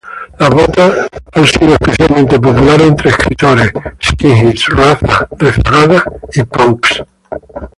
Las botas han sido especialmente populares entre escritores, skinheads, raza rezagada y punks.